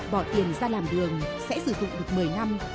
bỏ tiền ra làm đường sẽ sử dụng được một mươi năm